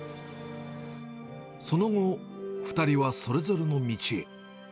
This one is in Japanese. その後、２人はそれぞれの道へ。